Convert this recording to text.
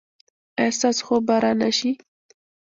ایا ستاسو خوب به را نه شي؟